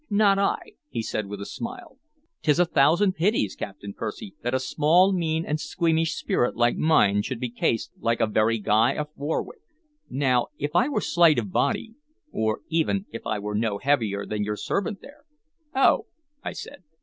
"Not I!" he said, with a smile. "'T is a thousand pities, Captain Percy, that a small, mean, and squeamish spirit like mine should be cased like a very Guy of Warwick. Now, if I were slight of body, or even if I were no heavier than your servant there" "Oh!" I said.